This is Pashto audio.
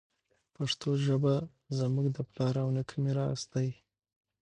پښتو ژبه زموږ د پلار او نیکه میراث دی.